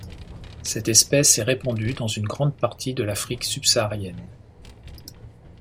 Cette espèce est répandue dans une grande partie de l'Afrique subsaharienne.